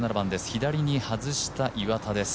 左に外した岩田です。